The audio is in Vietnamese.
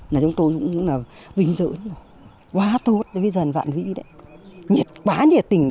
nói chung tôi cũng là vinh dự quá tốt vì dân vạn vĩ đấy quá nhiệt tình